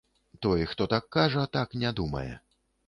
Той, хто так кажа, так не думае.